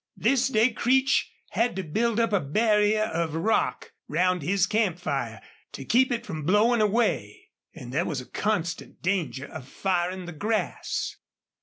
This day Creech had to build up a barrier of rock round his camp fire, to keep it from blowing away. And there was a constant danger of firing the grass.